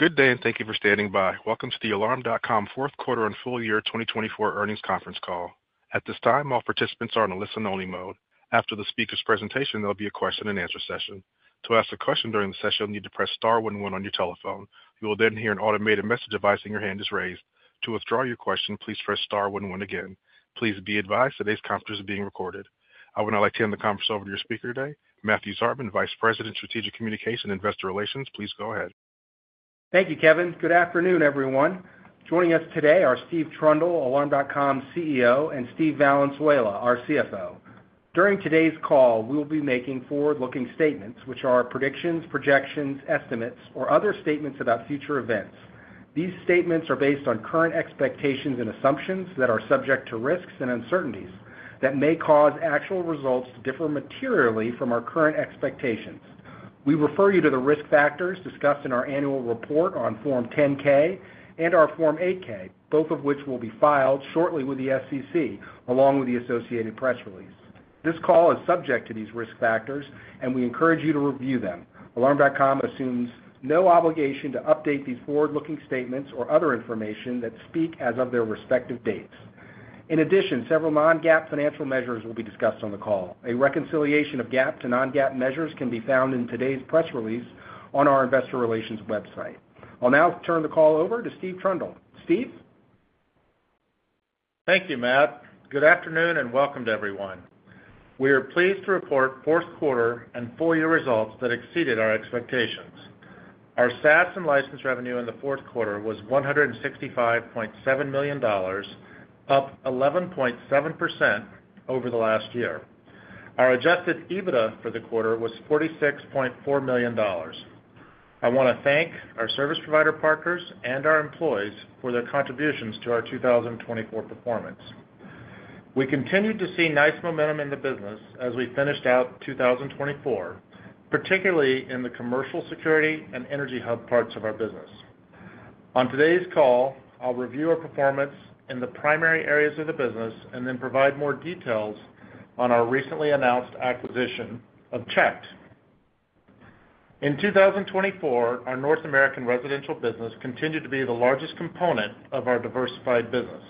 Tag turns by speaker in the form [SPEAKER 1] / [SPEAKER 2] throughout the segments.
[SPEAKER 1] Good day, and thank you for standing by. Welcome to the Alarm.com Fourth Quarter and Full Year 2024 Earnings Conference Call. At this time, all participants are in a listen-only mode. After the speaker's presentation, there'll be a question-and-answer session. To ask a question during the session, you'll need to press star 11 on your telephone. You will then hear an automated message advising your hand is raised. To withdraw your question, please press star 11 again. Please be advised today's conference is being recorded. I would now like to hand the conference over to your speaker today, Matthew Zartman, Vice President, Strategic Communication, Investor Relations. Please go ahead.
[SPEAKER 2] Thank you, Kevin. Good afternoon, everyone. Joining us today are Steve Trundle, Alarm.com CEO, and Steve Valenzuela, our CFO. During today's call, we'll be making forward-looking statements, which are predictions, projections, estimates, or other statements about future events. These statements are based on current expectations and assumptions that are subject to risks and uncertainties that may cause actual results to differ materially from our current expectations. We refer you to the risk factors discussed in our annual report on Form 10-K and our Form 8-K, both of which will be filed shortly with the SEC, along with the associated press release. This call is subject to these risk factors, and we encourage you to review them. Alarm.com assumes no obligation to update these forward-looking statements or other information that speak as of their respective dates. In addition, several non-GAAP financial measures will be discussed on the call.A reconciliation of GAAP to non-GAAP measures can be found in today's press release on our Investor Relations website. I'll now turn the call over to Steve Trundle. Steve?
[SPEAKER 3] Thank you, Matt. Good afternoon and welcome to everyone. We are pleased to report fourth quarter and full year results that exceeded our expectations. Our SaaS and license revenue in the fourth quarter was $165.7 million, up 11.7% over the last year. Our adjusted EBITDA for the quarter was $46.4 million. I want to thank our service provider partners and our employees for their contributions to our 2024 performance. We continued to see nice momentum in the business as we finished out 2024, particularly in the commercial security and EnergyHub parts of our business. On today's call, I'll review our performance in the primary areas of the business and then provide more details on our recently announced acquisition of CHeKT. In 2024, our North American residential business continued to be the largest component of our diversified business.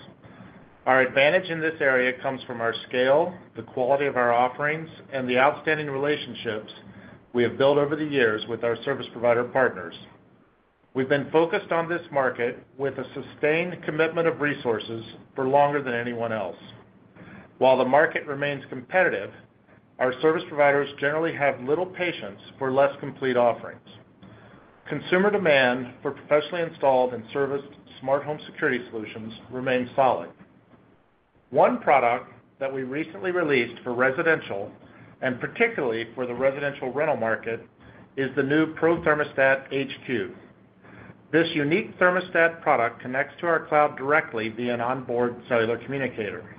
[SPEAKER 3] Our advantage in this area comes from our scale, the quality of our offerings, and the outstanding relationships we have built over the years with our service provider partners. We've been focused on this market with a sustained commitment of resources for longer than anyone else. While the market remains competitive, our service providers generally have little patience for less complete offerings. Consumer demand for professionally installed and serviced smart home security solutions remains solid. One product that we recently released for residential, and particularly for the residential rental market, is the new Pro Thermostat HQ. This unique thermostat product connects to our cloud directly via an onboard cellular communicator.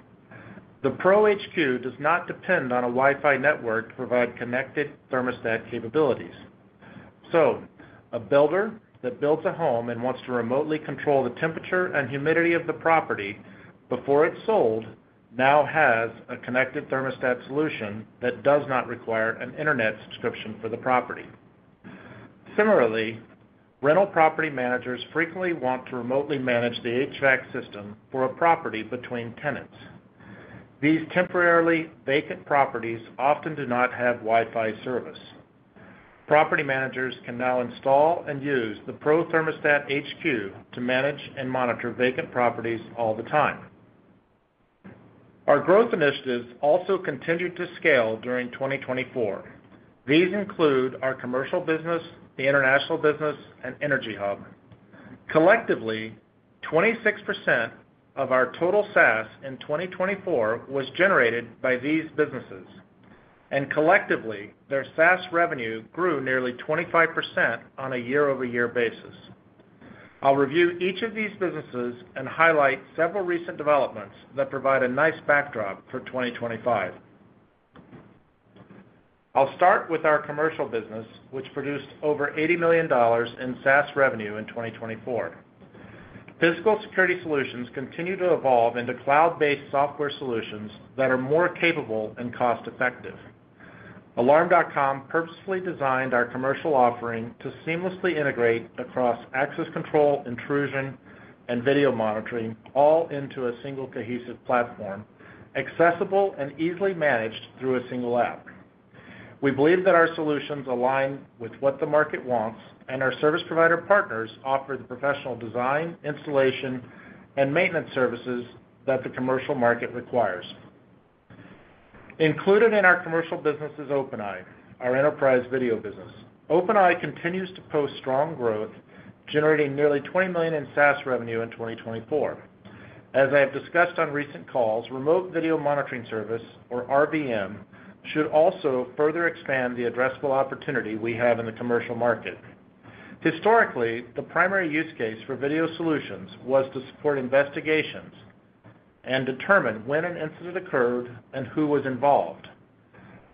[SPEAKER 3] The Pro HQ does not depend on a Wi-Fi network to provide connected thermostat capabilities. A builder that builds a home and wants to remotely control the temperature and humidity of the property before it's sold now has a connected thermostat solution that does not require an internet subscription for the property. Similarly, rental property managers frequently want to remotely manage the HVAC system for a property between tenants. These temporarily vacant properties often do not have Wi-Fi service. Property managers can now install and use the Pro Thermostat HQ to manage and monitor vacant properties all the time. Our growth initiatives also continue to scale during 2024. These include our commercial business, the international business, and EnergyHub. Collectively, 26% of our total SaaS in 2024 was generated by these businesses. Collectively, their SaaS revenue grew nearly 25% on a year-over-year basis. I'll review each of these businesses and highlight several recent developments that provide a nice backdrop for 2025. I'll start with our commercial business, which produced over $80 million in SaaS revenue in 2024. Physical security solutions continue to evolve into cloud-based software solutions that are more capable and cost-effective. Alarm.com purposefully designed our commercial offering to seamlessly integrate across access control, intrusion, and video monitoring all into a single cohesive platform, accessible and easily managed through a single app. We believe that our solutions align with what the market wants, and our service provider partners offer the professional design, installation, and maintenance services that the commercial market requires. Included in our commercial business is OpenEye, our enterprise video business. OpenEye continues to post strong growth, generating nearly $20 million in SaaS revenue in 2024. As I have discussed on recent calls, Remote Video Monitoring Service, or RVM, should also further expand the addressable opportunity we have in the commercial market. Historically, the primary use case for video solutions was to support investigations and determine when an incident occurred and who was involved.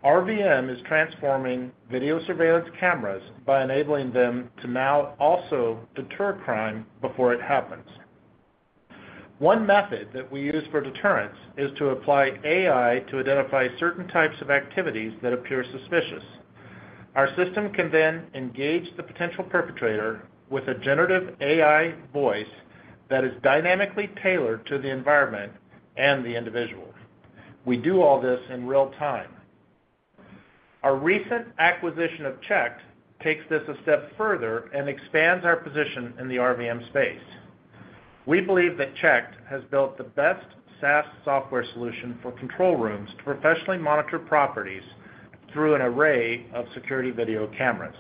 [SPEAKER 3] RVM is transforming video surveillance cameras by enabling them to now also deter crime before it happens. One method that we use for deterrence is to apply AI to identify certain types of activities that appear suspicious. Our system can then engage the potential perpetrator with a generative AI voice that is dynamically tailored to the environment and the individual. We do all this in real time. Our recent acquisition of CHeKT takes this a step further and expands our position in the RVM space. We believe that CHeKT has built the best SaaS software solution for control rooms to professionally monitor properties through an array of security video cameras.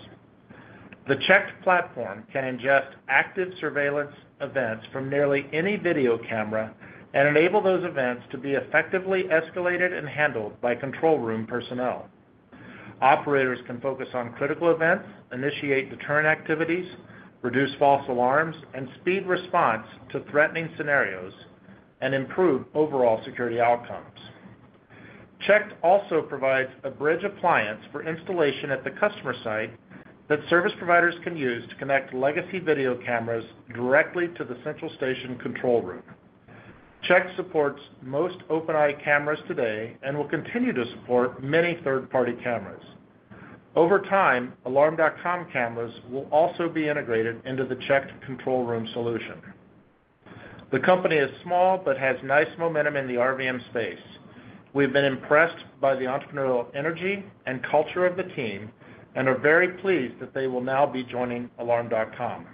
[SPEAKER 3] The CHeKT platform can ingest active surveillance events from nearly any video camera and enable those events to be effectively escalated and handled by control room personnel. Operators can focus on critical events, initiate deterrent activities, reduce false alarms, and speed response to threatening scenarios, and improve overall security outcomes. CHeKT also provides a bridge appliance for installation at the customer site that service providers can use to connect legacy video cameras directly to the central station control room. CHeKT supports most OpenEye cameras today and will continue to support many third-party cameras. Over time, Alarm.com cameras will also be integrated into the CHeKT control room solution. The company is small but has nice momentum in the RVM space. We've been impressed by the entrepreneurial energy and culture of the team and are very pleased that they will now be joining Alarm.com.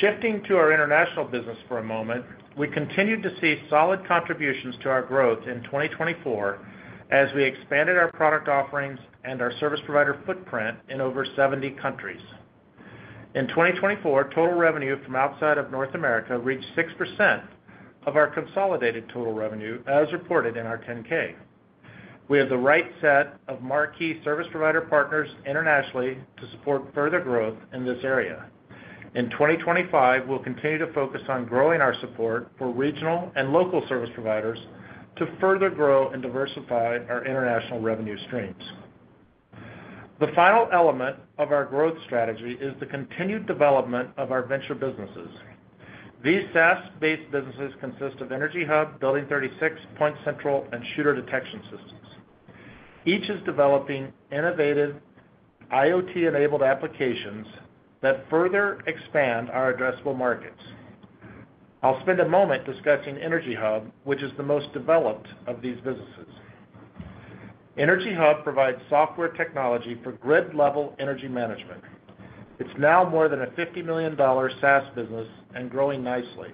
[SPEAKER 3] Shifting to our international business for a moment, we continue to see solid contributions to our growth in 2024 as we expanded our product offerings and our service provider footprint in over 70 countries. In 2024, total revenue from outside of North America reached 6% of our consolidated total revenue as reported in our 10-K. We have the right set of marquee service provider partners internationally to support further growth in this area. In 2025, we'll continue to focus on growing our support for regional and local service providers to further grow and diversify our international revenue streams. The final element of our growth strategy is the continued development of our venture businesses. These SaaS-based businesses consist of EnergyHub, Building36, PointCentral, and Shooter Detection Systems. Each is developing innovative IoT-enabled applications that further expand our addressable markets. I'll spend a moment discussing EnergyHub, which is the most developed of these businesses. EnergyHub provides software technology for grid-level energy management. It's now more than a $50 million SaaS business and growing nicely.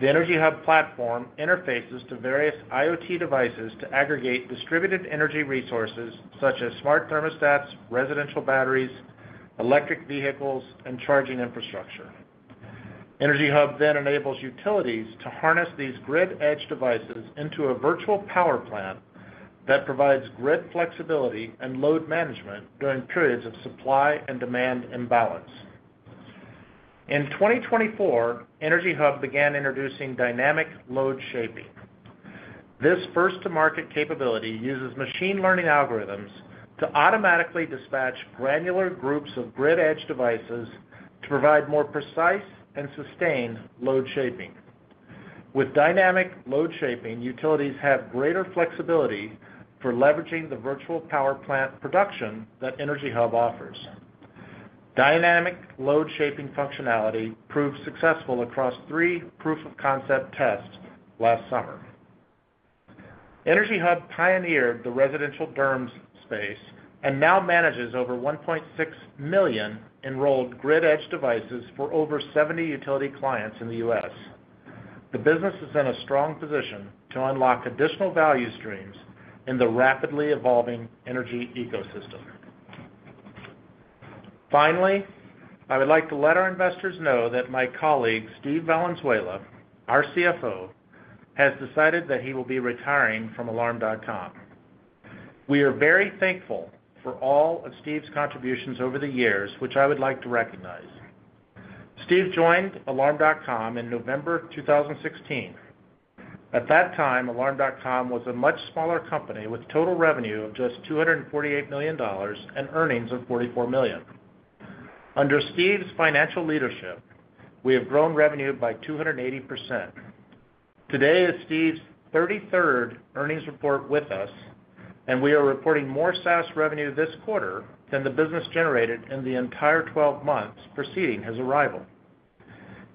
[SPEAKER 3] The EnergyHub platform interfaces to various IoT devices to aggregate distributed energy resources such as smart thermostats, residential batteries, electric vehicles, and charging infrastructure. EnergyHub then enables utilities to harness these grid-edge devices into a virtual power plant that provides grid flexibility and load management during periods of supply and demand imbalance. In 2024, EnergyHub began introducing Dynamic Load Shaping. This first-to-market capability uses machine learning algorithms to automatically dispatch granular groups of grid-edge devices to provide more precise and sustained load shaping. With Dynamic Load Shaping, utilities have greater flexibility for leveraging the virtual power plant production that EnergyHub offers. Dynamic load shaping functionality proved successful across three proof-of-concept tests last summer. EnergyHub pioneered the residential DERMS space and now manages over 1.6 million enrolled grid-edge devices for over 70 utility clients in the U.S. The business is in a strong position to unlock additional value streams in the rapidly evolving energy ecosystem. Finally, I would like to let our investors know that my colleague, Steve Valenzuela, our CFO, has decided that he will be retiring from Alarm.com. We are very thankful for all of Steve's contributions over the years, which I would like to recognize. Steve joined Alarm.com in November 2016. At that time, Alarm.com was a much smaller company with total revenue of just $248 million and earnings of $44 million. Under Steve's financial leadership, we have grown revenue by 280%. Today is Steve's 33rd earnings report with us, and we are reporting more SaaS revenue this quarter than the business generated in the entire 12 months preceding his arrival.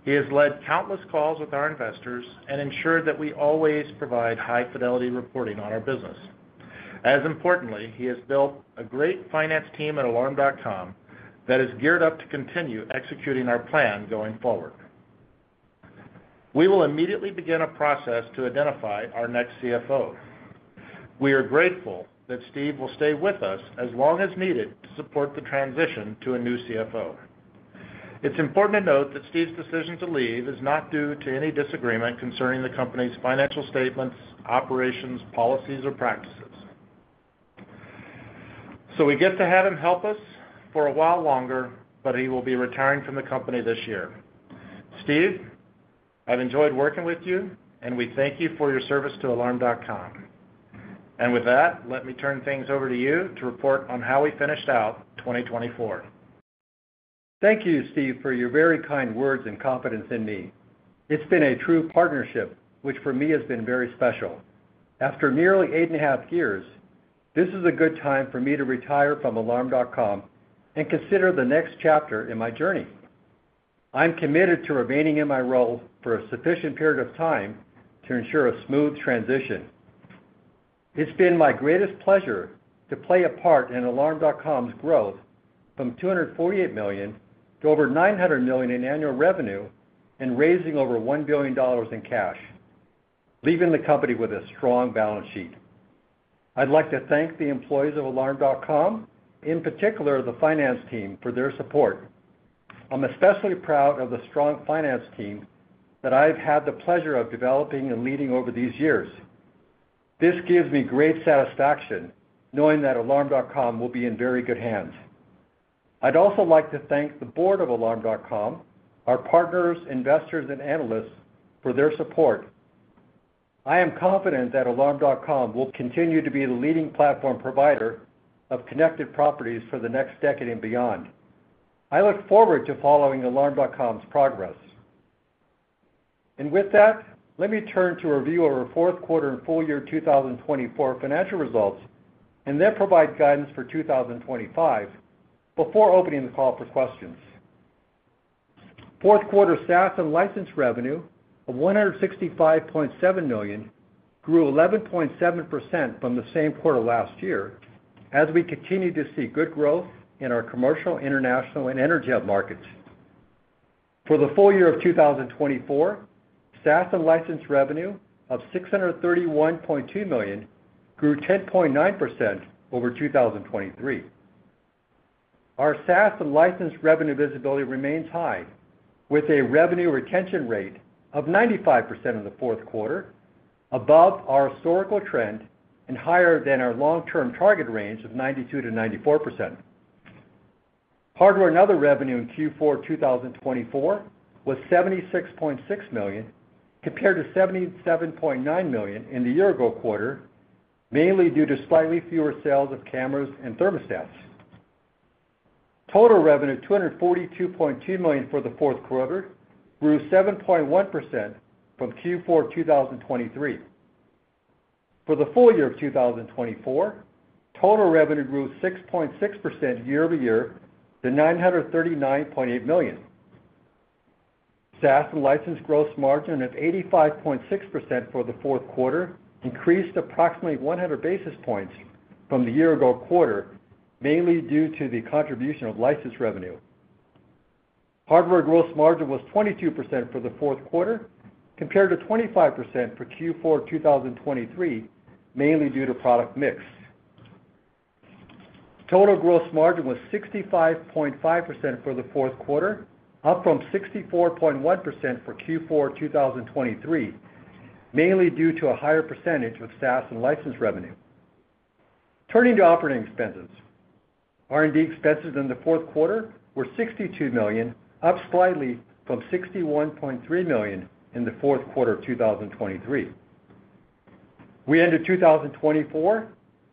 [SPEAKER 3] He has led countless calls with our investors and ensured that we always provide high-fidelity reporting on our business. As importantly, he has built a great finance team at Alarm.com that is geared up to continue executing our plan going forward. We will immediately begin a process to identify our next CFO. We are grateful that Steve will stay with us as long as needed to support the transition to a new CFO. It's important to note that Steve's decision to leave is not due to any disagreement concerning the company's financial statements, operations, policies, or practices. So we get to have him help us for a while longer, but he will be retiring from the company this year. Steve, I've enjoyed working with you, and we thank you for your service to Alarm.com. And with that, let me turn things over to you to report on how we finished out 2024.
[SPEAKER 4] Thank you, Steve, for your very kind words and confidence in me. It's been a true partnership, which for me has been very special. After nearly eight and a half years, this is a good time for me to retire from Alarm.com and consider the next chapter in my journey. I'm committed to remaining in my role for a sufficient period of time to ensure a smooth transition. It's been my greatest pleasure to play a part in Alarm.com's growth from $248 million to over $900 million in annual revenue and raising over $1 billion in cash, leaving the company with a strong balance sheet. I'd like to thank the employees of Alarm.com, in particular the finance team, for their support. I'm especially proud of the strong finance team that I've had the pleasure of developing and leading over these years. This gives me great satisfaction knowing that Alarm.com will be in very good hands. I'd also like to thank the board of Alarm.com, our partners, investors, and analysts for their support. I am confident that Alarm.com will continue to be the leading platform provider of connected properties for the next decade and beyond. I look forward to following Alarm.com's progress. And with that, let me turn to a review of our fourth quarter and full year 2024 financial results and then provide guidance for 2025 before opening the call for questions. Fourth quarter SaaS and license revenue of $165.7 million grew 11.7% from the same quarter last year as we continue to see good growth in our commercial, international, and EnergyHub markets. For the full year of 2024, SaaS and license revenue of $631.2 million grew 10.9% over 2023. Our SaaS and license revenue visibility remains high, with a revenue retention rate of 95% in the fourth quarter, above our historical trend and higher than our long-term target range of 92% to 94%. Hardware and other revenue in Q4 2024 was $76.6 million compared to $77.9 million in the year-ago quarter, mainly due to slightly fewer sales of cameras and thermostats. Total revenue of $242.2 million for the fourth quarter grew 7.1% from Q4 2023. For the full year of 2024, total revenue grew 6.6% year-over-year to $939.8 million. SaaS and license gross margin of 85.6% for the fourth quarter increased approximately 100 basis points from the year-ago quarter, mainly due to the contribution of license revenue. Hardware gross margin was 22% for the fourth quarter compared to 25% for Q4 2023, mainly due to product mix. Total gross margin was 65.5% for the fourth quarter, up from 64.1% for Q4 2023, mainly due to a higher percentage of SaaS and license revenue. Turning to operating expenses, R&D expenses in the fourth quarter were $62 million, up slightly from $61.3 million in the fourth quarter of 2023. We ended 2024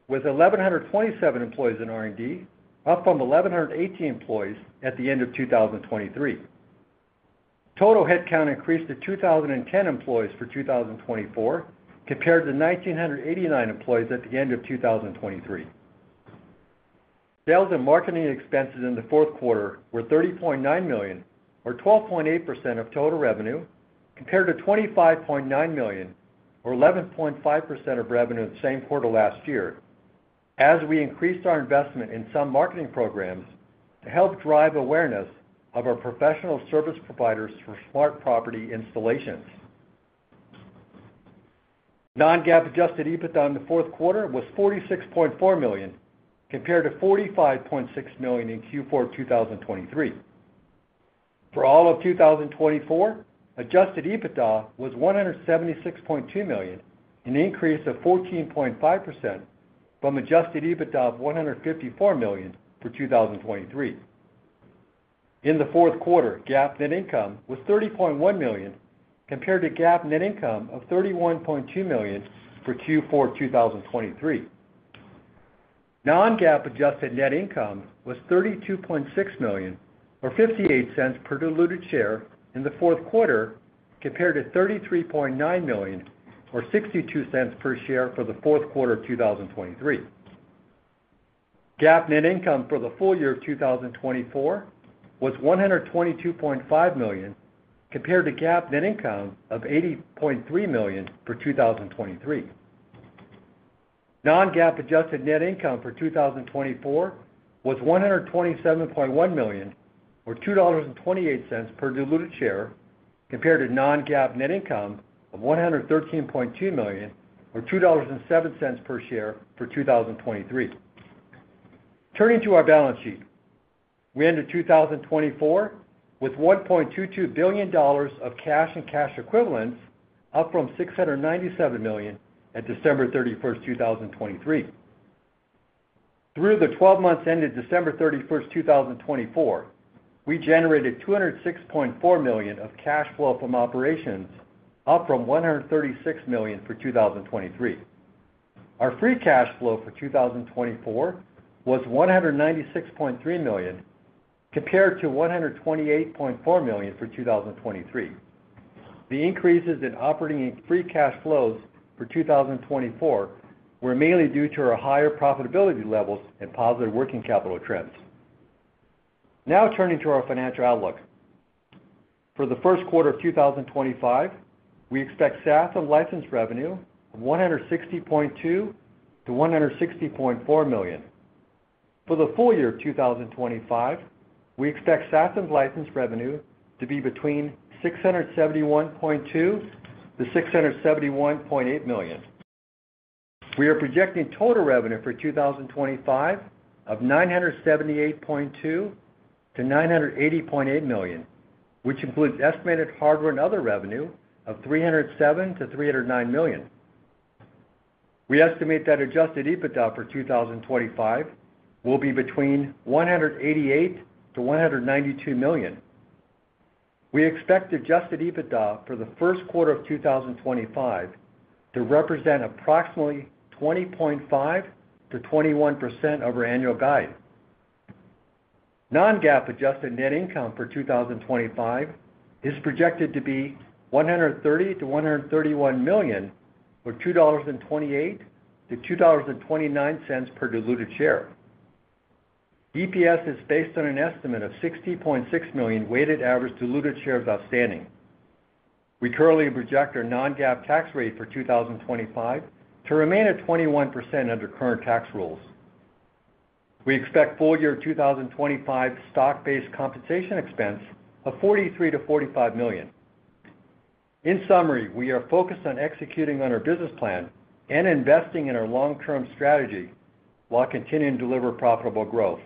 [SPEAKER 4] with 1,127 employees in R&D, up from 1,180 employees at the end of 2023. Total headcount increased to 2,010 employees for 2024 compared to 1,989 employees at the end of 2023. Sales and marketing expenses in the fourth quarter were $30.9 million, or 12.8% of total revenue, compared to $25.9 million, or 11.5% of revenue in the same quarter last year, as we increased our investment in some marketing programs to help drive awareness of our professional service providers for smart property installations. Non-GAAP adjusted EBITDA in the fourth quarter was $46.4 million compared to $45.6 million in Q4 2023. For all of 2024, adjusted EBITDA was $176.2 million, an increase of 14.5% from adjusted EBITDA of $154 million for 2023. In the fourth quarter, GAAP net income was $30.1 million compared to GAAP net income of $31.2 million for Q4 2023. Non-GAAP adjusted net income was $32.6 million, or $0.58 per diluted share in the fourth quarter, compared to $33.9 million, or $0.62 per share for the fourth quarter of 2023. GAAP net income for the full year of 2024 was $122.5 million compared to GAAP net income of $80.3 million for 2023. Non-GAAP adjusted net income for 2024 was $127.1 million, or $2.28 per diluted share, compared to Non-GAAP net income of $113.2 million, or $2.07 per share for 2023. Turning to our balance sheet, we ended 2024 with $1.22 billion of cash and cash equivalents, up from $697 million at December 31st, 2023. Through the 12 months ended December 31st, 2024, we generated $206.4 million of cash flow from operations, up from $136 million for 2023. Our free cash flow for 2024 was $196.3 million compared to $128.4 million for 2023. The increases in operating and free cash flows for 2024 were mainly due to our higher profitability levels and positive working capital trends. Now turning to our financial outlook. For the first quarter of 2025, we expect SaaS and license revenue of $160.2-$160.4 million. For the full year of 2025, we expect SaaS and license revenue to be between $671.2-$671.8 million. We are projecting total revenue for 2025 of $978.2-$980.8 million, which includes estimated hardware and other revenue of $307-$309 million. We estimate that adjusted EBITDA for 2025 will be between $188-$192 million. We expect adjusted EBITDA for the first quarter of 2025 to represent approximately 20.5%-21% of our annual guide. non-GAAP adjusted net income for 2025 is projected to be $130-$131 million, or $2.28-$2.29 per diluted share. EPS is based on an estimate of $60.6 million weighted average diluted shares outstanding. We currently project our non-GAAP tax rate for 2025 to remain at 21% under current tax rules. We expect full year 2025 stock-based compensation expense of $43-$45 million. In summary, we are focused on executing on our business plan and investing in our long-term strategy while continuing to deliver profitable growth.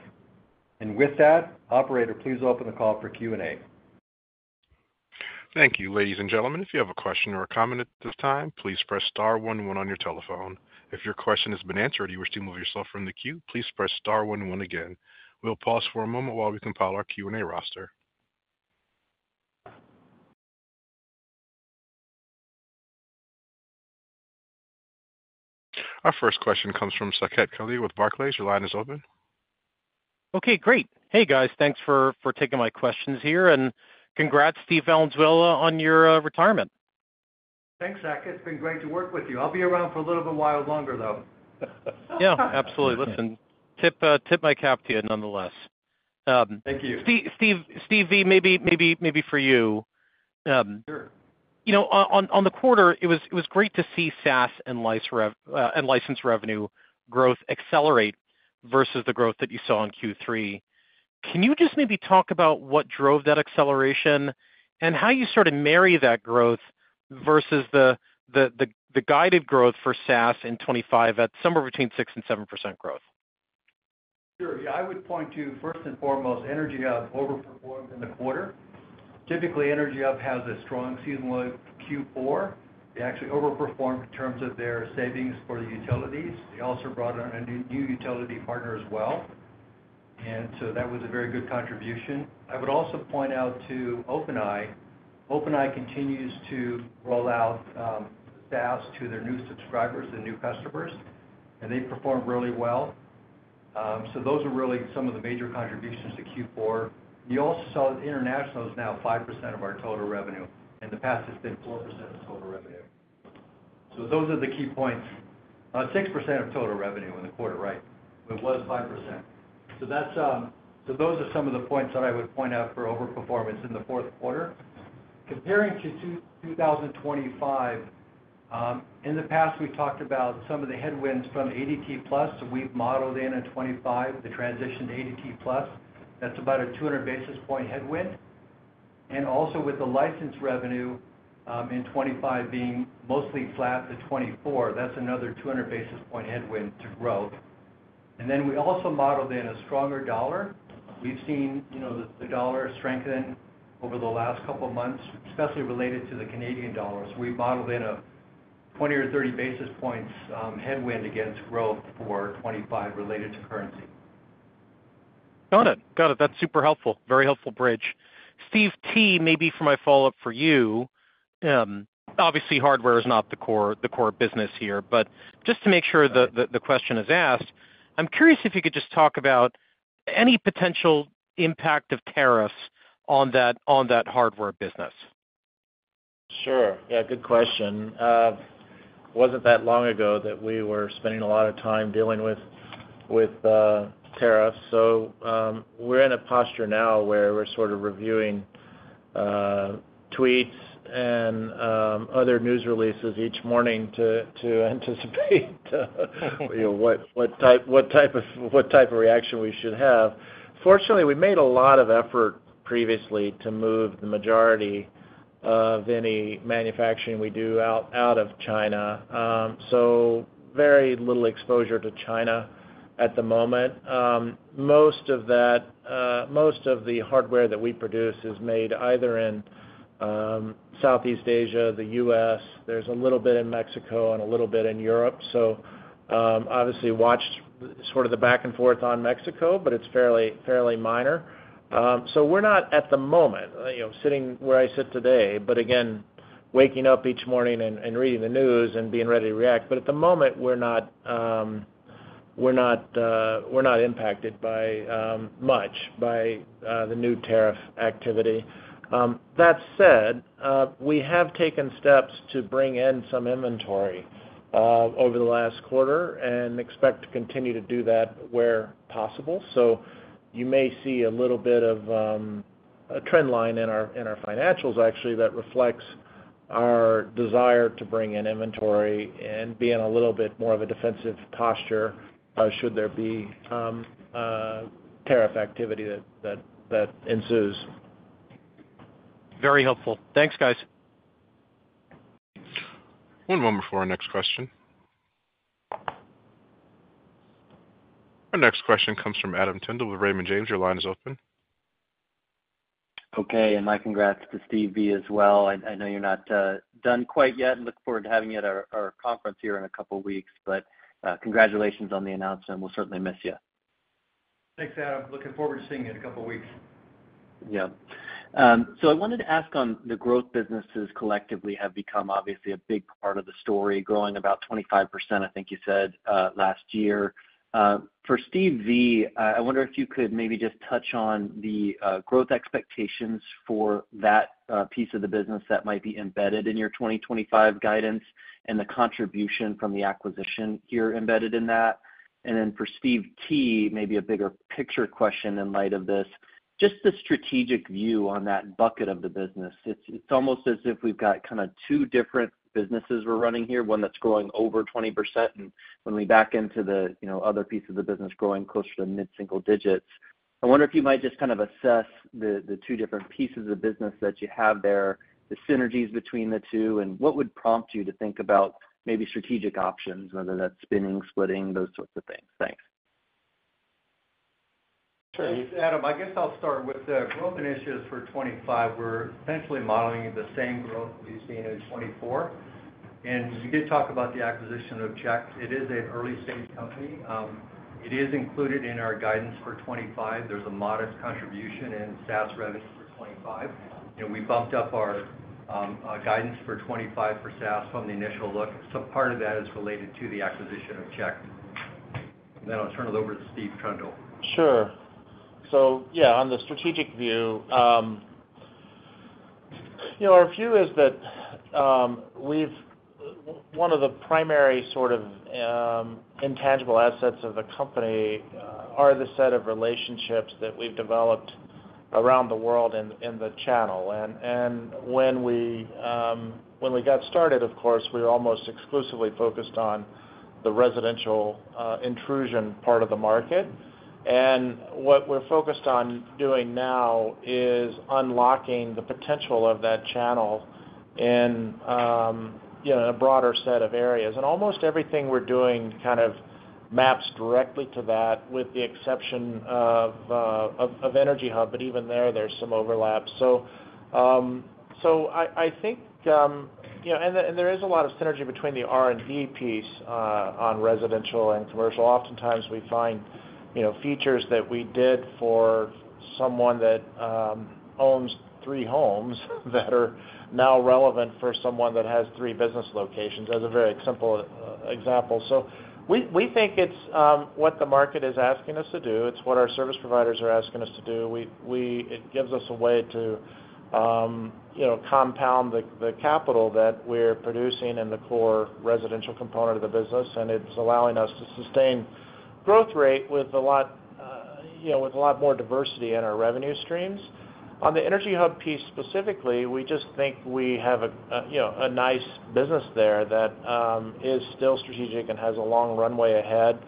[SPEAKER 4] With that, operator, please open the call for Q&A.
[SPEAKER 1] Thank you, ladies and gentlemen. If you have a question or a comment at this time, please press star 1 when on your telephone. If your question has been answered or you wish to move yourself from the queue, please press star 1 when again. We'll pause for a moment while we compile our Q&A roster. Our first question comes from Saket Kalia with Barclays. Your line is open.
[SPEAKER 5] Okay, great. Hey, guys, thanks for taking my questions here. Congrats, Steve Valenzuela, on your retirement.
[SPEAKER 4] Thanks, Zartman. It's been great to work with you. I'll be around for a little bit while longer, though.
[SPEAKER 5] Yeah, absolutely. Listen, tip my cap to you nonetheless. Thank you. Steve, maybe for you. Sure. On the quarter, it was great to see SaaS and license revenue growth accelerate versus the growth that you saw in Q3. Can you just maybe talk about what drove that acceleration and how you sort of marry that growth versus the guided growth for SaaS in 2025 at somewhere between 6%-7% growth?
[SPEAKER 4] Sure. Yeah, I would point to, first and foremost, EnergyHub overperformed in the quarter. Typically, EnergyHub has a strong seasonal Q4. They actually overperformed in terms of their savings for the utilities. They also brought on a new utility partner as well. And so that was a very good contribution. I would also point out to OpenEye. OpenEye continues to roll out SaaS to their new subscribers and new customers, and they perform really well. So those are really some of the major contributions to Q4. You also saw that international is now 5% of our total revenue. In the past, it's been 4% of total revenue. So those are the key points. 6% of total revenue in the quarter, right? It was 5%. So those are some of the points that I would point out for overperformance in the fourth quarter. Comparing to 2025, in the past, we talked about some of the headwinds from ADT+. We've modeled in '25 the transition to ADT+. That's about a 200 basis point headwind. And also with the license revenue in '25 being mostly flat to '24, that's another 200 basis point headwind to growth. And then we also modeled in a stronger dollar. We've seen the dollar strengthen over the last couple of months, especially related to the Canadian dollar. So we've modeled in a 20 or 30 basis points headwind against growth for 2025 related to currency.
[SPEAKER 5] Got it. Got it. That's super helpful. Very helpful bridge. Steve T, maybe for my follow-up for you, obviously hardware is not the core business here, but just to make sure the question is asked, I'm curious if you could just talk about any potential impact of tariffs on that hardware business.
[SPEAKER 3] Sure. Yeah, good question. It wasn't that long ago that we were spending a lot of time dealing with tariffs. So we're in a posture now where we're sort of reviewing tweets and other news releases each morning to anticipate what type of reaction we should have. Fortunately, we made a lot of effort previously to move the majority of any manufacturing we do out of China. So very little exposure to China at the moment. Most of the hardware that we produce is made either in Southeast Asia, the U.S. There's a little bit in Mexico and a little bit in Europe. So obviously watched sort of the back and forth on Mexico, but it's fairly minor. So we're not at the moment sitting where I sit today, but again, waking up each morning and reading the news and being ready to react. But at the moment, we're not impacted by much by the new tariff activity. That said, we have taken steps to bring in some inventory over the last quarter and expect to continue to do that where possible. So you may see a little bit of a trend line in our financials, actually, that reflects our desire to bring in inventory and be in a little bit more of a defensive posture should there be tariff activity that ensues.
[SPEAKER 5] Very helpful. Thanks, guys.
[SPEAKER 1] One moment for our next question. Our next question comes from Adam Tindle with Raymond James. Your line is open.
[SPEAKER 6] Okay. And my congrats to Steve V as well. I know you're not done quite yet. Look forward to having you at our conference here in a couple of weeks. But congratulations on the announcement. We'll certainly miss you.
[SPEAKER 4] Thanks, Adam. Looking forward to seeing you in a couple of weeks.
[SPEAKER 6] Yeah. So I wanted to ask on the growth businesses collectively have become obviously a big part of the story, growing about 25%, I think you said last year. For Steve V, I wonder if you could maybe just touch on the growth expectations for that piece of the business that might be embedded in your 2025 guidance and the contribution from the acquisition here embedded in that. And then for Steve T, maybe a bigger picture question in light of this, just the strategic view on that bucket of the business. It's almost as if we've got kind of two different businesses we're running here, one that's growing over 20%, and when we back into the other piece of the business growing closer to mid-single digits. I wonder if you might just kind of assess the two different pieces of the business that you have there, the synergies between the two, and what would prompt you to think about maybe strategic options, whether that's spinning, splitting, those sorts of things. Thanks.
[SPEAKER 4] Sure. Adam, I guess I'll start with the growth initiatives for 2025. We're essentially modeling the same growth we've seen in 2024, and we did talk about the acquisition of CHeKT. It is an early-stage company. It is included in our guidance for 2025. There's a modest contribution in SaaS revenue for 2025. We bumped up our guidance for 2025 for SaaS from the initial look, so part of that is related to the acquisition of CHeKT, and then I'll turn it over to Steve Trundle.
[SPEAKER 3] Sure. So yeah, on the strategic view, our view is that one of the primary sort of intangible assets of the company are the set of relationships that we've developed around the world in the channel, and when we got started, of course, we were almost exclusively focused on the residential intrusion part of the market. And what we're focused on doing now is unlocking the potential of that channel in a broader set of areas. And almost everything we're doing kind of maps directly to that with the exception of EnergyHub, but even there, there's some overlap. So I think, and there is a lot of synergy between the R&D piece on residential and commercial. Oftentimes, we find features that we did for someone that owns three homes that are now relevant for someone that has three business locations as a very simple example. So we think it's what the market is asking us to do. It's what our service providers are asking us to do. It gives us a way to compound the capital that we're producing in the core residential component of the business, and it's allowing us to sustain growth rate with a lot more diversity in our revenue streams. On the EnergyHub piece specifically, we just think we have a nice business there that is still strategic and has a long runway ahead,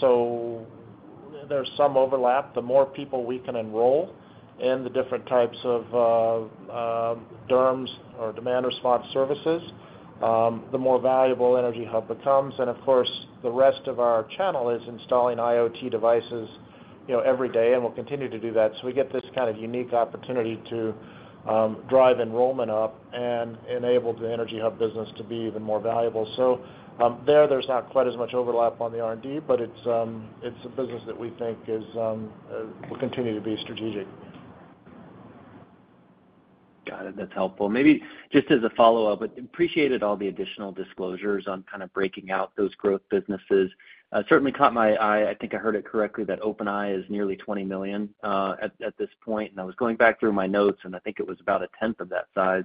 [SPEAKER 3] so there's some overlap. The more people we can enroll in the different types of DERMs or demand response services, the more valuable EnergyHub becomes, and of course, the rest of our channel is installing IoT devices every day and will continue to do that, so we get this kind of unique opportunity to drive enrollment up and enable the EnergyHub business to be even more valuable, so there, there's not quite as much overlap on the R&D, but it's a business that we think will continue to be strategic.
[SPEAKER 6] Got it. That's helpful. Maybe just as a follow-up, I appreciated all the additional disclosures on kind of breaking out those growth businesses. Certainly caught my eye. I think I heard it correctly that OpenEye is nearly 20 million at this point. And I was going back through my notes, and I think it was about a tenth of that size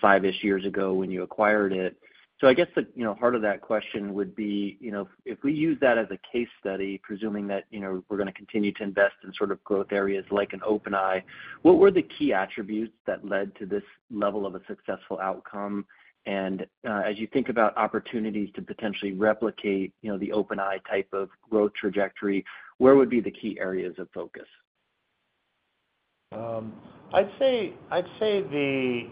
[SPEAKER 6] five-ish years ago when you acquired it. So I guess the heart of that question would be if we use that as a case study, presuming that we're going to continue to invest in sort of growth areas like an OpenEye, what were the key attributes that led to this level of a successful outcome? And as you think about opportunities to potentially replicate the OpenEye type of growth trajectory, where would be the key areas of focus?
[SPEAKER 3] I'd say in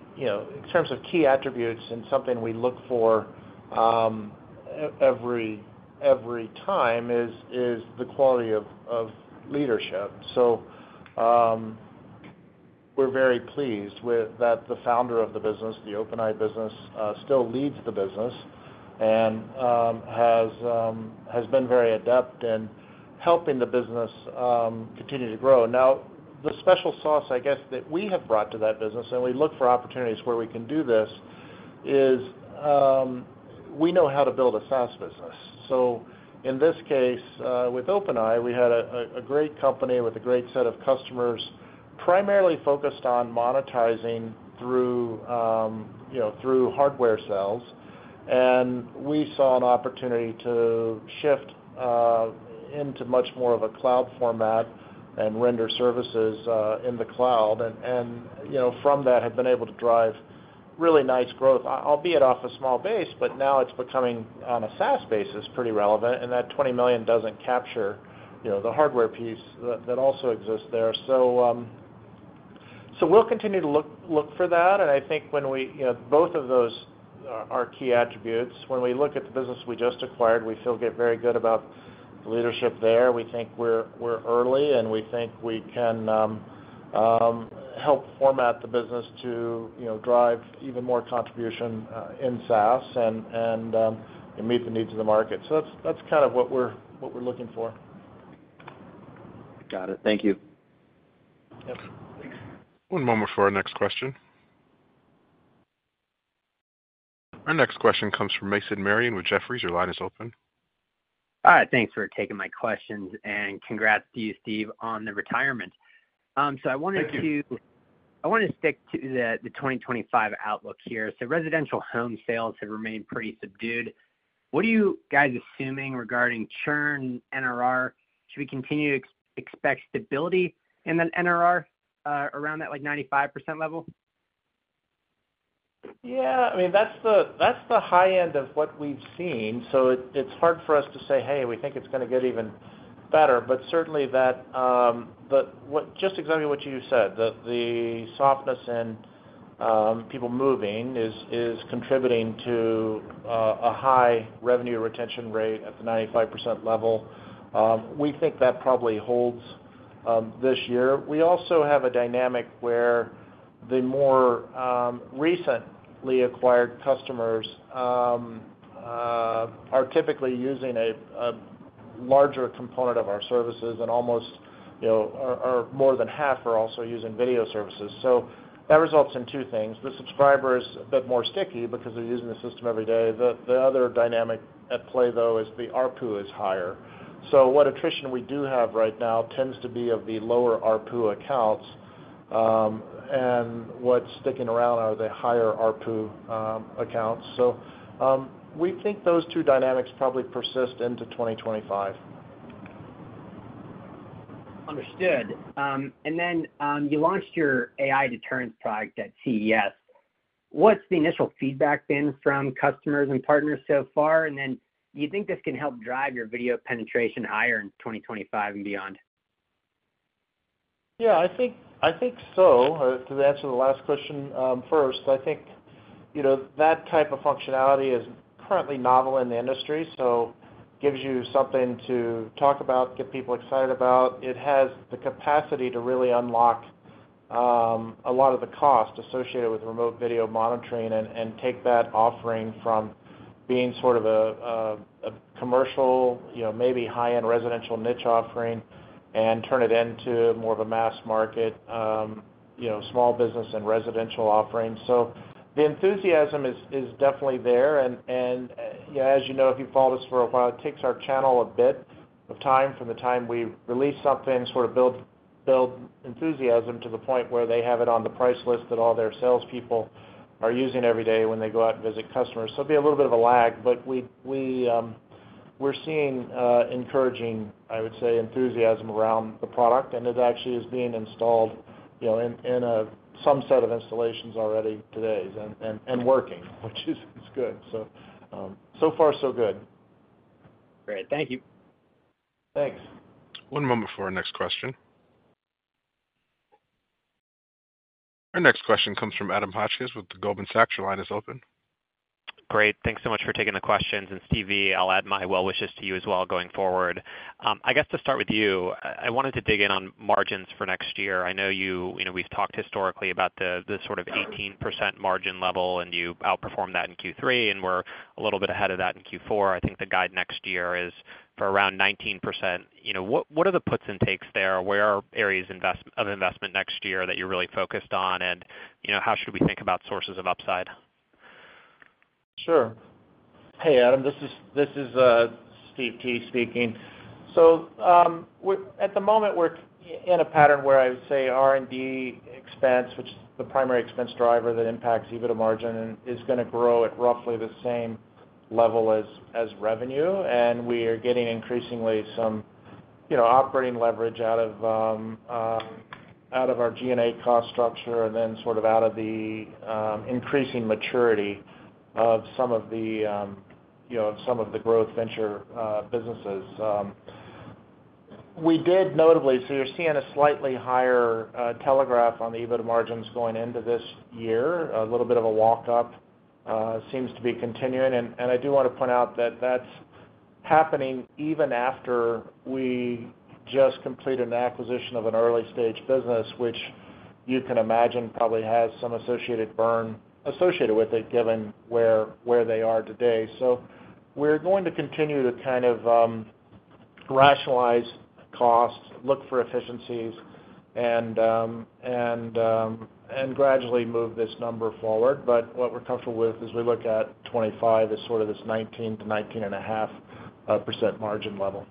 [SPEAKER 3] terms of key attributes and something we look for every time is the quality of leadership. We're very pleased that the founder of the business, the OpenEye business, still leads the business and has been very adept in helping the business continue to grow. Now, the special sauce, I guess, that we have brought to that business, and we look for opportunities where we can do this, is we know how to build a SaaS business. So in this case, with OpenEye, we had a great company with a great set of customers primarily focused on monetizing through hardware sales. And we saw an opportunity to shift into much more of a cloud format and render services in the cloud. And from that, have been able to drive really nice growth, albeit off a small base, but now it's becoming on a SaaS basis pretty relevant. And that 20 million doesn't capture the hardware piece that also exists there. So we'll continue to look for that. And I think both of those are key attributes. When we look at the business we just acquired, we feel very good about the leadership there. We think we're early, and we think we can help format the business to drive even more contribution in SaaS and meet the needs of the market. So that's kind of what we're looking for.
[SPEAKER 6] Got it. Thank you.
[SPEAKER 3] Yep.
[SPEAKER 1] One moment for our next question. Our next question comes from Mason Marion with Jefferies. Your line is open.
[SPEAKER 7] All right. Thanks for taking my questions. And congrats to you, Steve, on the retirement. So I wanted to.
[SPEAKER 4] Thank you.
[SPEAKER 7] I want to stick to the 2025 outlook here. So residential home sales have remained pretty subdued. What are you guys assuming regarding churn, NRR? Should we continue to expect stability in the NRR around that 95% level?
[SPEAKER 4] Yeah. I mean, that's the high end of what we've seen. So it's hard for us to say, "Hey, we think it's going to get even better." But certainly, just exactly what you said, the softness in people moving is contributing to a high revenue retention rate at the 95% level. We think that probably holds this year. We also have a dynamic where the more recently acquired customers are typically using a larger component of our services, and almost more than half are also using video services. So that results in two things. The subscriber is a bit more sticky because they're using the system every day. The other dynamic at play, though, is the ARPU is higher. So what attrition we do have right now tends to be of the lower ARPU accounts, and what's sticking around are the higher ARPU accounts. So we think those two dynamics probably persist into 2025.
[SPEAKER 7] Understood. And then you launched your AI deterrence product at CES. What's the initial feedback been from customers and partners so far? And then do you think this can help drive your video penetration higher in 2025 and beyond?
[SPEAKER 3] Yeah, I think so. To answer the last question first, I think that type of functionality is currently novel in the industry. So it gives you something to talk about, get people excited about. It has the capacity to really unlock a lot of the cost associated with remote video monitoring and take that offering from being sort of a commercial, maybe high-end residential niche offering and turn it into more of a mass market, small business, and residential offering. So the enthusiasm is definitely there. And as you know, if you've followed us for a while, it takes our channel a bit of time from the time we release something, sort of build enthusiasm to the point where they have it on the price list that all their salespeople are using every day when they go out and visit customers. So it'd be a little bit of a lag, but we're seeing encouraging, I would say, enthusiasm around the product. And it actually is being installed in some set of installations already today and working, which is good. So far, so good.
[SPEAKER 7] Great. Thank you.
[SPEAKER 4] Thanks.
[SPEAKER 1] One moment for our next question. Our next question comes from Adam Hotchkiss with Goldman Sachs. Your line is open.
[SPEAKER 8] Great. Thanks so much for taking the questions. And Steve V, I'll add my well wishes to you as well going forward. I guess to start with you, I wanted to dig in on margins for next year. I know we've talked historically about the sort of 18% margin level, and you outperformed that in Q3, and we're a little bit ahead of that in Q4. I think the guide next year is for around 19%. What are the puts and takes there? Where are areas of investment next year that you're really focused on? And how should we think about sources of upside?
[SPEAKER 3] Sure. Hey, Adam. This is Steve T speaking. So at the moment, we're in a pattern where I would say R&D expense, which is the primary expense driver that impacts EBITDA margin, is going to grow at roughly the same level as revenue. And we are getting increasingly some operating leverage out of our G&A cost structure and then sort of out of the increasing maturity of some of the growth venture businesses. We did notably see a slightly higher telegraph on the EBITDA margins going into this year. A little bit of a walk-up seems to be continuing. And I do want to point out that that's happening even after we just completed an acquisition of an early-stage business, which you can imagine probably has some associated burn associated with it given where they are today. So we're going to continue to kind of rationalize costs, look for efficiencies, and gradually move this number forward. But what we're comfortable with as we look at 2025 is sort of this 19%-19.5% margin level.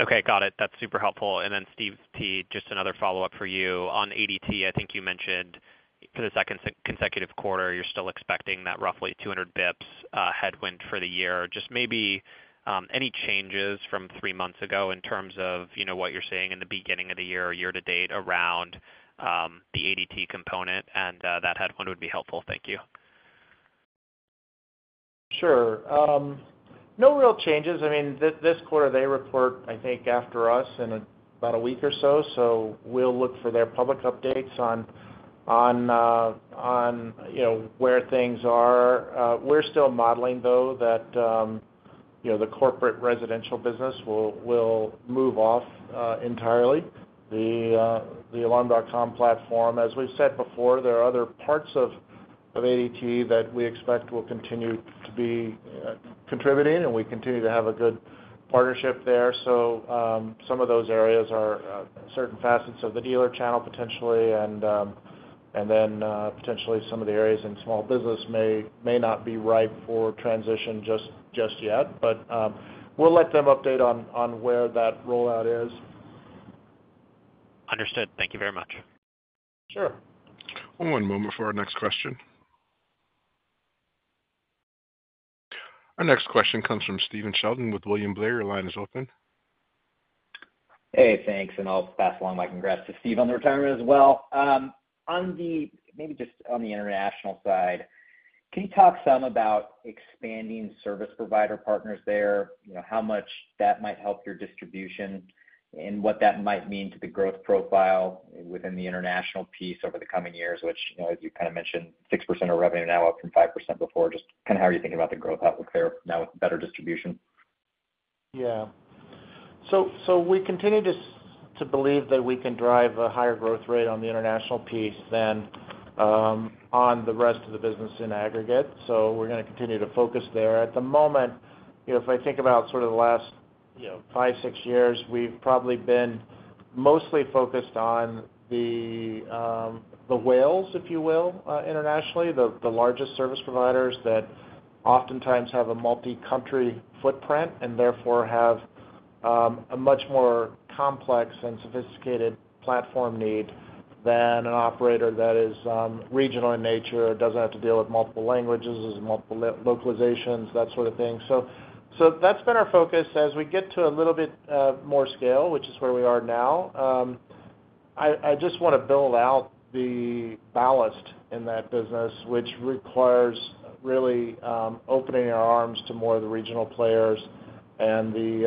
[SPEAKER 8] Okay. Got it. That's super helpful. And then Steve T, just another follow-up for you. On ADT, I think you mentioned for the second consecutive quarter, you're still expecting that roughly 200 basis points headwind for the year. Just maybe any changes from three months ago in terms of what you're seeing in the beginning of the year or year to date around the ADT component? And that headwind would be helpful. Thank you.
[SPEAKER 3] Sure. No real changes. I mean, this quarter, they report, I think, after us in about a week or so. So we'll look for their public updates on where things are. We're still modeling, though, that the corporate residential business will move off entirely. The Alarm.com platform, as we've said before, there are other parts of ADT that we expect will continue to be contributing, and we continue to have a good partnership there. So some of those areas are certain facets of the dealer channel potentially, and then potentially some of the areas in small business may not be ripe for transition just yet. But we'll let them update on where that rollout is.
[SPEAKER 8] Understood. Thank you very much.
[SPEAKER 3] Sure.
[SPEAKER 1] One moment for our next question. Our next question comes from Stephen Sheldon with William Blair. Your line is open.
[SPEAKER 9] Hey, thanks. And I'll pass along my congrats to Steve on the retirement as well. Maybe just on the international side, can you talk some about expanding service provider partners there, how much that might help your distribution, and what that might mean to the growth profile within the international piece over the coming years, which, as you kind of mentioned, 6% of revenue now up from 5% before? Just kind of how are you thinking about the growth outlook there now with better distribution?
[SPEAKER 3] Yeah. So we continue to believe that we can drive a higher growth rate on the international piece than on the rest of the business in aggregate. So we're going to continue to focus there. At the moment, if I think about sort of the last five, six years, we've probably been mostly focused on the whales, if you will, internationally, the largest service providers that oftentimes have a multi-country footprint and therefore have a much more complex and sophisticated platform need than an operator that is regional in nature, doesn't have to deal with multiple languages, multiple localizations, that sort of thing. So that's been our focus. As we get to a little bit more scale, which is where we are now, I just want to build out the ballast in that business, which requires really opening our arms to more of the regional players and the,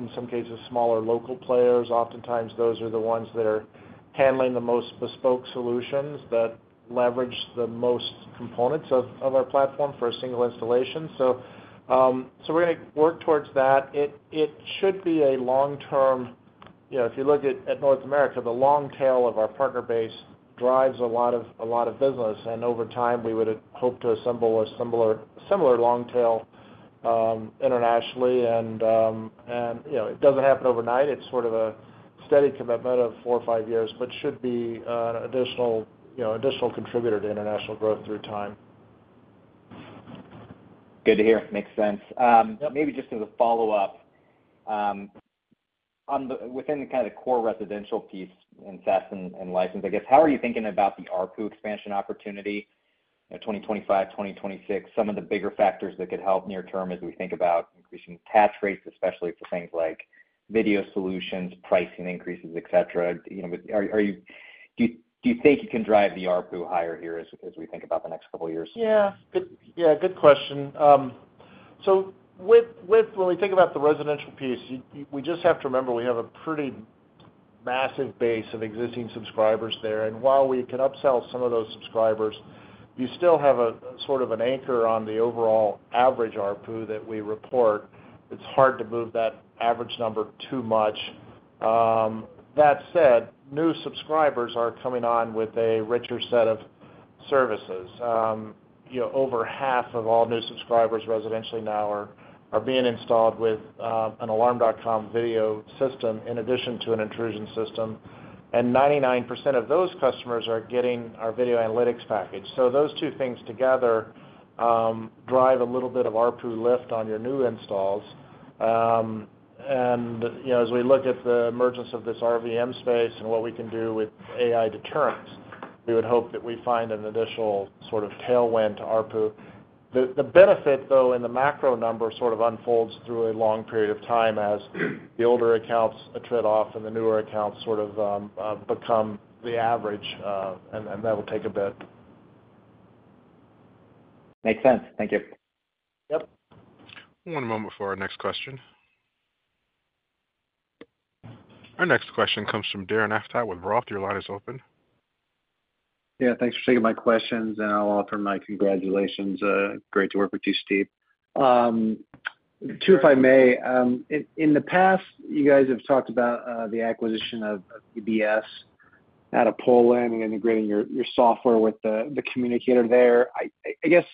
[SPEAKER 3] in some cases, smaller local players. Oftentimes, those are the ones that are handling the most bespoke solutions that leverage the most components of our platform for a single installation. So we're going to work towards that. It should be a long-term if you look at North America, the long tail of our partner base drives a lot of business. And over time, we would hope to assemble a similar long tail internationally. And it doesn't happen overnight. It's sort of a steady commitment of four or five years, but should be an additional contributor to international growth through time.
[SPEAKER 9] Good to hear. Makes sense. Maybe just as a follow-up, within kind of the core residential piece and SaaS and license, I guess, how are you thinking about the ARPU expansion opportunity in 2025, 2026? Some of the bigger factors that could help near-term as we think about increasing take rates, especially for things like video solutions, pricing increases, etc. Do you think you can drive the ARPU higher here as we think about the next couple of years?
[SPEAKER 3] Yeah. Yeah. Good question. So when we think about the residential piece, we just have to remember we have a pretty massive base of existing subscribers there. And while we can upsell some of those subscribers, you still have sort of an anchor on the overall average ARPU that we report. It's hard to move that average number too much. That said, new subscribers are coming on with a richer set of services. Over half of all new subscribers residentially now are being installed with an Alarm.com video system in addition to an intrusion system. And 99% of those customers are getting our Video Analytics package. So those two things together drive a little bit of ARPU lift on your new installs. And as we look at the emergence of this RVM space and what we can do with AI deterrents, we would hope that we find an additional sort of tailwind to ARPU.The benefit, though, in the macro number sort of unfolds through a long period of time as the older accounts a trade-off and the newer accounts sort of become the average, and that will take a bit.
[SPEAKER 9] Makes sense. Thank you.
[SPEAKER 3] Yep.
[SPEAKER 1] One moment for our next question. Our next question comes from Darren Aftahi with Roth. Your line is open.
[SPEAKER 10] Yeah. Thanks for taking my questions. And I'll offer my congratulations. Great to work with you, Steve. Too, if I may, in the past, you guys have talked about the acquisition of EBS out of Poland and integrating your software with the communicator there. I guess,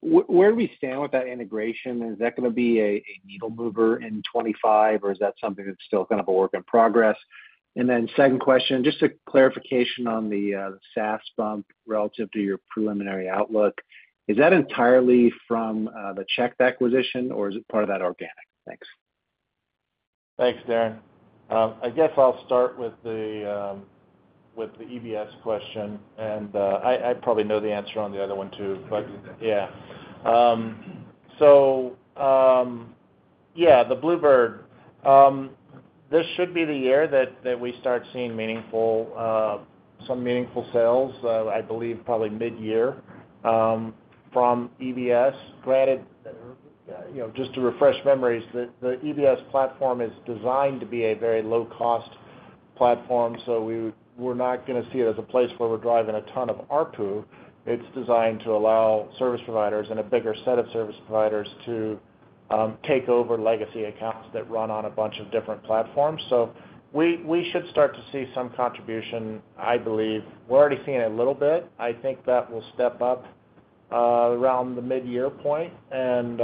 [SPEAKER 10] where do we stand with that integration? Is that going to be a needle mover in 2025, or is that something that's still kind of a work in progress? And then second question, just a clarification on the SaaS bump relative to your preliminary outlook. Is that entirely from the CHeKT acquisition, or is it part of that organic? Thanks.
[SPEAKER 3] Thanks, Darren. I guess I'll start with the EBS question. And I probably know the answer on the other one too, but yeah. So yeah, the Bluebird. This should be the year that we start seeing some meaningful sales, I believe, probably mid-year from EBS. Granted, just to refresh memories, the EBS platform is designed to be a very low-cost platform. So we're not going to see it as a place where we're driving a ton of ARPU. It's designed to allow service providers and a bigger set of service providers to take over legacy accounts that run on a bunch of different platforms. So we should start to see some contribution, I believe. We're already seeing a little bit. I think that will step up around the mid-year point and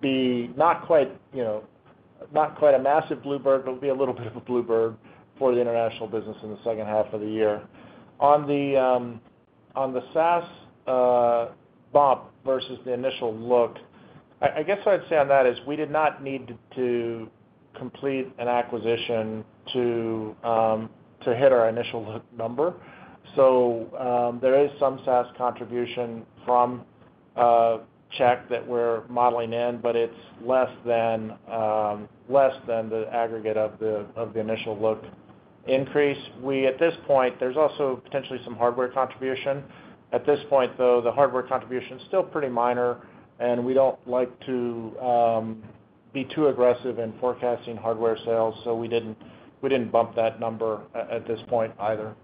[SPEAKER 3] be not quite a massive Bluebird, but it'll be a little bit of a Bluebird for the international business in the second half of the year. On the SaaS bump versus the initial look, I guess what I'd say on that is we did not need to complete an acquisition to hit our initial number. So there is some SaaS contribution from CHeKT that we're modeling in, but it's less than the aggregate of the initial look increase. At this point, there's also potentially some hardware contribution. At this point, though, the hardware contribution is still pretty minor, and we don't like to be too aggressive in forecasting hardware sales. So we didn't bump that number at this point either.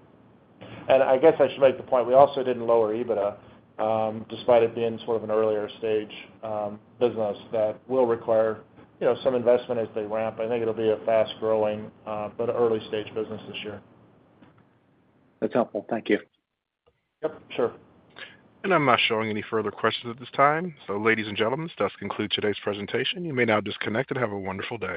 [SPEAKER 3] And I guess I should make the point. We also didn't lower EBITDA, despite it being sort of an earlier stage business that will require some investment as they ramp. I think it'll be a fast-growing but early-stage business this year.
[SPEAKER 10] That's helpful. Thank you.
[SPEAKER 3] Yep. Sure.
[SPEAKER 1] And I'm not showing any further questions at this time. So ladies and gentlemen, this does conclude today's presentation. You may now disconnect and have a wonderful day.